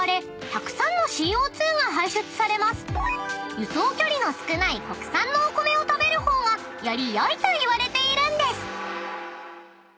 ［輸送距離の少ない国産のお米を食べる方がより良いといわれているんです］